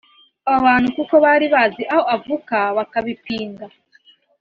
abo bantu kuko bari bazi aho avuka bakabipinga